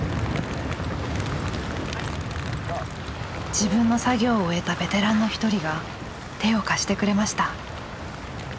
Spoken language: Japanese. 自分の作業を終えたベテランの一人が手を貸してくれました。